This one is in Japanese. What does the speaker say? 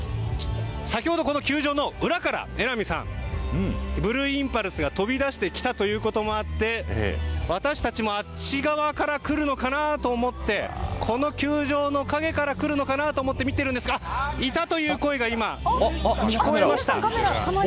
先ほど、この球場の裏からブルーインパルスが飛び出してきたこともあって私たちもあっち側から来るのかなと思ってこの球場の陰から来るのかなと見てるんですがいた！という声が聞こえました。